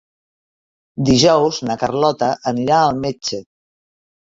Dijous na Carlota anirà al metge.